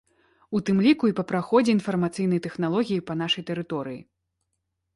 У тым ліку і па праходзе інфармацыйных тэхналогій па нашай тэрыторыі.